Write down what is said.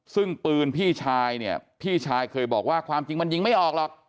ซึ่งปืนพี่ชายเนี่ยพี่ชายเคยบอกว่าความจริงมันยิงไม่ออกหรอก